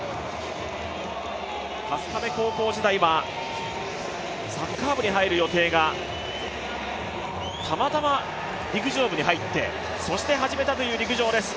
春日部高校時代はサッカー部に入る予定がたまたま陸上部に入って、そして始めたという陸上です。